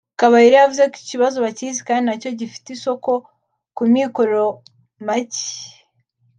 Kabayire yavuze ko iki kibazo bakizi kandi na cyo gifite isoko ku mikoro make